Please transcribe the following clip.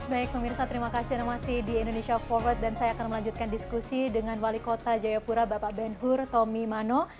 baik pemirsa terima kasih anda masih di indonesia forward dan saya akan melanjutkan diskusi dengan wali kota jayapura bapak ben hur tommy mano